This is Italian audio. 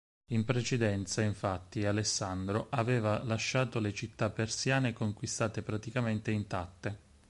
In precedenza infatti Alessandro aveva lasciato le città persiane conquistate praticamente intatte.